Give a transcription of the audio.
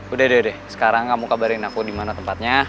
udah udah udah sekarang kamu kabarin aku dimana tempatnya